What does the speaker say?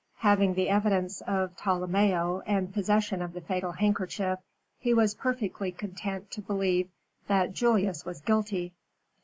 Having the evidence of Tolomeo and possession of the fatal handkerchief, he was perfectly content to believe that Julius was guilty.